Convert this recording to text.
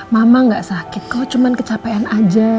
mama gak sakit kok cuma kecapean aja